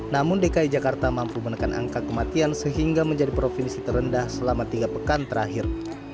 namun dki jakarta mampu menekan angka kematian sehingga menjadi provinsi terendah selama tiga pekan terakhir